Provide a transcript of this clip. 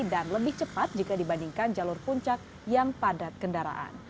dan lebih cepat jika dibandingkan jalur puncak yang padat kendaraan